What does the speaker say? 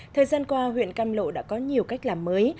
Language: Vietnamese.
thời gian qua huyện cam lộ đã có nhiều cách làm mới